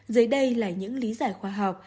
dưới đây là những lý giải khoa học